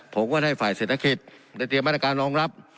ผมก็ได้ฝ่ายเศรษฐกิจได้เตรียมมาตรการรองรับ